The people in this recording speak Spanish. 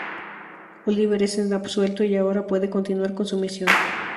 Oliver es absuelto y ahora puede continuar con su misión.